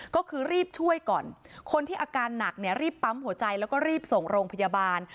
ก็คือรีบช่วยก่อนคนที่อาการหนักเนี่ยรีบปั๊มหัวใจแล้วก็รีบส่งโรงพยาบาล